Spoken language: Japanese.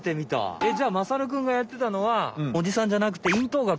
えっじゃあまさるくんがやってたのはおじさんじゃなくて咽頭がく。